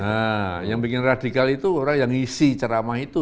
nah yang bikin radikal itu orang yang ngisi ceramah itu